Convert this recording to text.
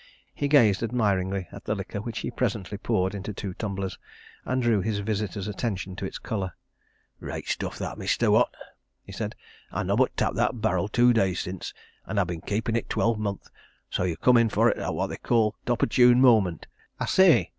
He gazed admiringly at the liquor which he presently poured into two tumblers, and drew his visitor's attention to its colour. "Reight stuff that, mister what?" he said. "I nobbut tapped that barril two days since, and I'd been keepin' it twelve month, so you've come in for it at what they call t' opportune moment. I say!"